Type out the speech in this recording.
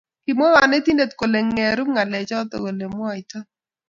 kimwaa konetindet kole ngerup ngalechoto olemwaitoi